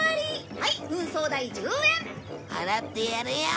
はい運送代１０円」払ってやるよ！